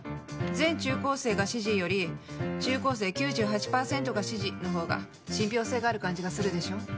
全中高生が支持より中高生９８％が支持のほうが信憑性がある感じがするでしょう。